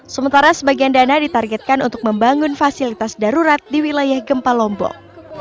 sementara sebagian dana ditargetkan untuk membangun fasilitas darurat di wilayah gempa lombok